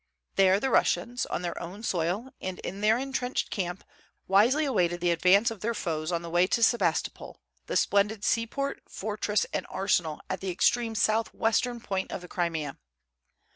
There the Russians, on their own soil and in their intrenched camp, wisely awaited the advance of their foes on the way to Sebastopol, the splendid seaport, fortress, and arsenal at the extreme southwestern point of the Crimea.